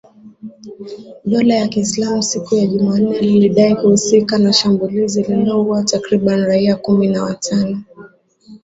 Dola ya Kiislamu siku ya Jumanne lilidai kuhusika na shambulizi lililoua takribani raia kumi na watano